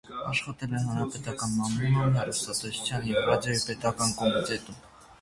Աշխատել է հանրապետական մամուլում, հեռուստատեսության և ռադիոյի պետական կոմիտեում։